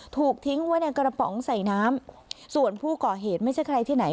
ถูกทิ้งไว้ในกระป๋องใส่น้ำส่วนผู้ก่อเหตุไม่ใช่ใครที่ไหน